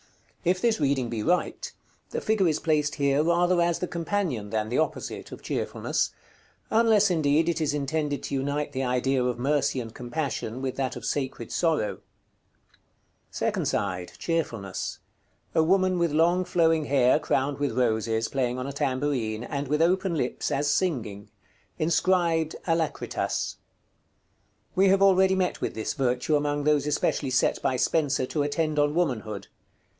If this reading be right, the figure is placed here rather as the companion, than the opposite, of Cheerfulness; unless, indeed, it is intended to unite the idea of Mercy and Compassion with that of Sacred Sorrow. § XCVI. Second side. Cheerfulness. A woman with long flowing hair, crowned with roses, playing on a tambourine, and with open lips, as singing. Inscribed " ALACRITAS." We have already met with this virtue among those especially set by Spenser to attend on Womanhood.